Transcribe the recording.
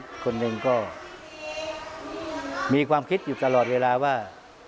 เป็นฆ่ากันคนหนึ่งก็มีความคิดอยู่ตลอดเวลาว่า